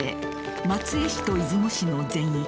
松江市と出雲市の全域